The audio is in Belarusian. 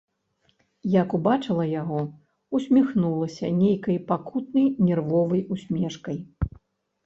Як убачыла яго, усміхнулася нейкай пакутнай нервовай усмешкай.